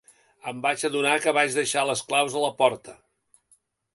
Em vaig adonar que vaig deixar les claus a la porta.